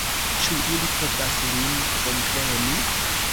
Ĉu ili povas lin kompreni?